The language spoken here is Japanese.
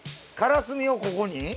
からすみをここに？